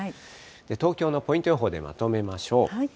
東京のポイント予報でまとめましょう。